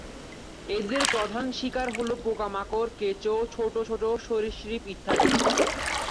এদের প্রধান শিকার হল পোকামাকড়, কেঁচো, ছোটো ছোটো সরীসৃপ ইত্যাদি।